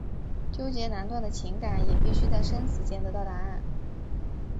纠结难断的情感也必须在生死间得到答案。